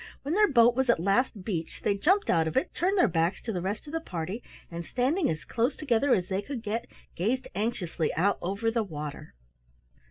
When their boat was at last beached, they jumped out of it, turned their backs to the rest of the party, and standing as close together as they could get, gazed anxiously out over the water.